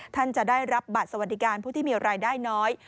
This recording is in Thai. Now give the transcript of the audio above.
จะได้รับบัตรสวัสดิการผู้ที่มีรายได้น้อย